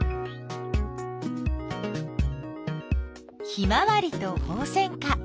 ヒマワリとホウセンカ